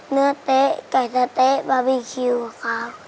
เนื้อเต๊ะไก่สะเต๊ะบาร์บีคิวครับ